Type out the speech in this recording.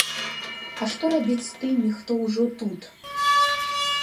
А што рабіць з тымі, хто ўжо тут?